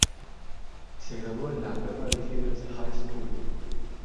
Se graduó en la Beverly Hills High School.